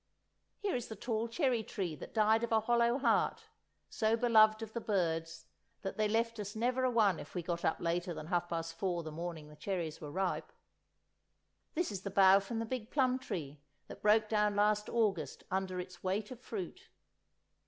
Here is the tall cherry tree that died of a hollow heart, so beloved of the birds that they left us never a one if we got up later than half past four the morning the cherries were ripe. This is the bough from the big plum tree that broke down last August under its weight of fruit.